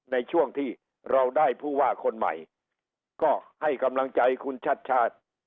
ในช่วงที่เราได้ผู้ว่าคนใหม่ก็ให้กำลังใจคุณชัดชาติ